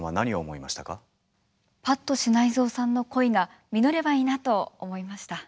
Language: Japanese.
八渡支内造さんの恋が実ればいいなと思いました。